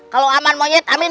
kalau aman monyet amin